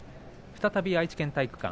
再び愛知県体育館。